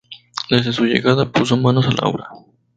Desde su llegada puso manos a la obra.